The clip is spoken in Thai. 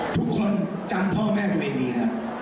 ทุกคนจำพ่อแม่คุณเองเนี่ย